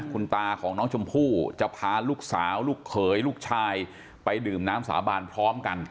คุณตาของน้องชมพู่จะพาลูกสาวลูกเขยลูกชายไปดื่มน้ำสาบานพร้อมกัน